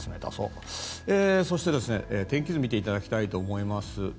そして、天気図を見ていただきたいと思います。